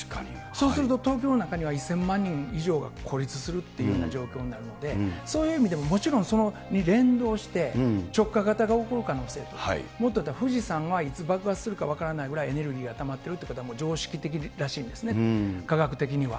そうすると、東京の中には１０００万人以上が孤立するっていうような状況になるので、そういう意味でも、もちろんそれに連動して、直下型が起こる可能性、もっと言ったら富士山がいつ爆発するか分からないぐらい、エネルギーがたまってるという方も常識的らしいんですね、科学的には。